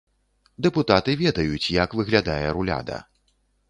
Дэпутаты ведаюць, як выглядае руляда.